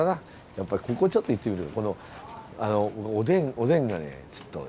やっぱりここちょっと行ってみる。